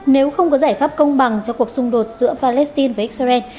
nếu không có giải pháp công bằng cho cuộc xung đột giữa palestine và israel